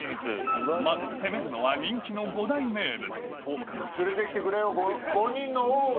まず攻めるのは人気のいでよ！